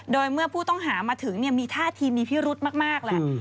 โดยเมื่อผู้ต้องหามาถึงมีท่าทีมีพิรุธมากแหละ